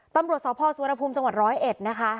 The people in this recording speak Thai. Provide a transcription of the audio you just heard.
ตำรวจสพสุวรรณภูมิจังหวัดร้อยเอ็ดนะคะ